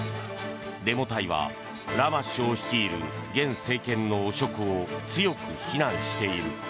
デモ隊はラマ首相率いる現政権の汚職を強く非難している。